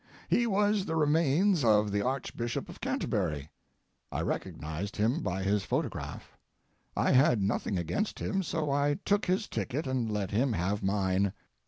He was the remains of the Archbishop of Canterbury; I recognized him by his photograph. I had nothing against him, so I took his ticket and let him have mine.